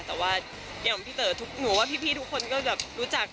แต่ว่าอย่างพี่เต๋อหนูว่าพี่ทุกคนก็แบบรู้จัก